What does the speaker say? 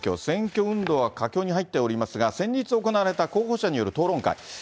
選挙運動は佳境に入っておりますが、先日行われた候補者による討論会。